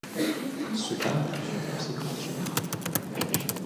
Cela a plusieurs conséquences générales.